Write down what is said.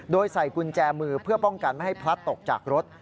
โดยใส่กุญแจมือเพื่อป้องกันไม่ให้พลัดตกจากรถ